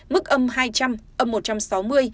mức âm hai trăm linh âm một trăm sáu mươi